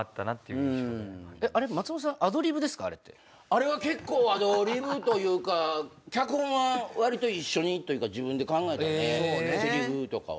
あれは結構アドリブというか脚本はわりと一緒にというか自分で考えたせりふとかは。